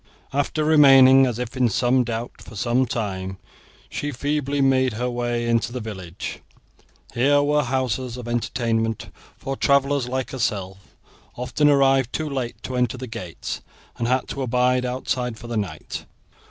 After remaining, as if in doubt, for some time, she feebly made her way into the village. Here were many houses of entertainment, for travelers like herself often arrived too late to enter the gates, and had to abide outside for the night.